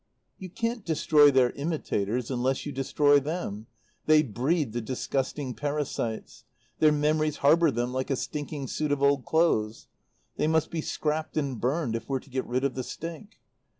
"You can't destroy their imitators unless you destroy them. They breed the disgusting parasites. Their memories harbour them like a stinking suit of old clothes. They must be scrapped and burned if we're to get rid of the stink.